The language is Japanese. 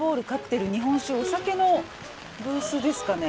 日本酒お酒のブースですかね。